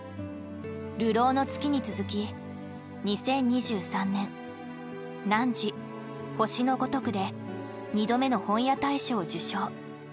「流浪の月」に続き２０２３年「汝、星のごとく」で２度目の本屋大賞を受賞。